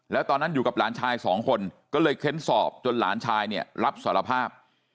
แล้วตอนนั้นอยู่กับหลานชายสองคนก็เลยเค้นสอบจนหลานชายเนี่ยรับสารภาพ